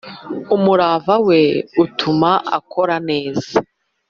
umurava we utuma akora neza